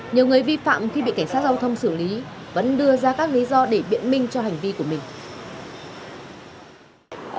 nhiều người vi phạm khi bị cảnh sát giao thông xử lý vẫn đưa ra các lý do để biện minh cho hành vi của mình